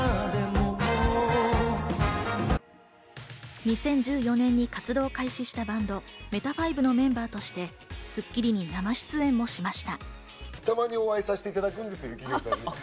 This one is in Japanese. ２０１４年に活動を開始したバンド、ＭＥＴＡＦＩＶＥのメンバーとして『スッキリ』に生出演もしました。